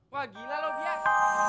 wah gila loh bias